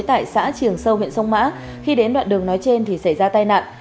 tại xã trường sâu huyện sông mã khi đến đoạn đường nói trên thì xảy ra tai nạn